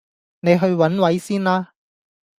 你去揾位先啦